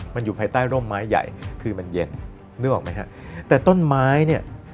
มันอยู่ภายใต้ร่มไม้ใหญ่คือมันเย็นนึกออกไหมฮะแต่ต้นไม้เนี่ย